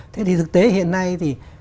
thế thì thực tế hiện nay thì